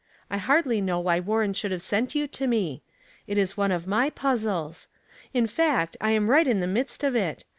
I hardly know why Warren should have sent you to me. It is one of my puzzles. In fact, I'm right in the midst of it.